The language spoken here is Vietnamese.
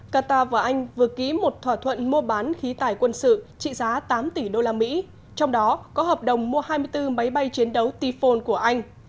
cata và anh vừa ký một thỏa thuận mua bán khí tải quân sự trị giá tám tỷ đô la mỹ trong đó có hợp đồng mua hai mươi bốn máy bay chiến đấu typhoon của anh